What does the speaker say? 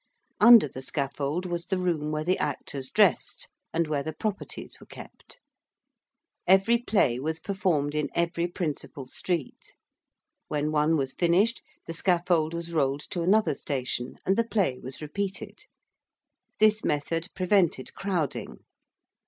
Under the scaffold was the room where the actors dressed and where the 'properties' were kept. Every play was performed in every principal street. When one was finished the scaffold was rolled to another station and the play was repeated. This method prevented crowding.